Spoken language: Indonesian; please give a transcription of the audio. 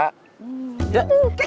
kek kek kek